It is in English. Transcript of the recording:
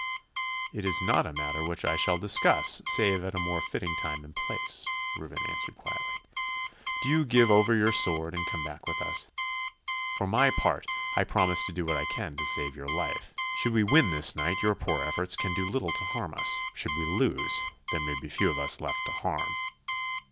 'It is not a matter which I shall discuss, save at a more fitting time and place,' Reuben answered quietly. 'Do you give over your sword and come back with us. For my part, I promise to do what I can to save your life. Should we win this night, your poor efforts can do little to harm us. Should we lose, there may be few of us left to harm.